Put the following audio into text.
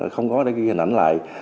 không có để ghi hình ảnh lại